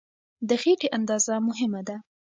د خېټې اندازه مهمه ده.